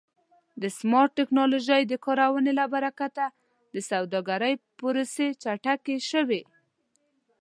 د سمارټ ټکنالوژۍ د کارونې له برکت د سوداګرۍ پروسې چټکې شوې.